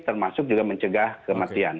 termasuk juga mencegah kematian